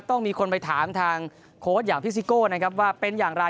ต้องมีคนไปถามทางโค้ชอย่างพี่ซิโก้นะครับว่าเป็นอย่างไร